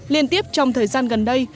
liên tiếp trong thời gian gần đây